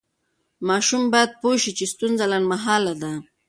ماشوم باید پوه شي چې ستونزه لنډمهاله ده.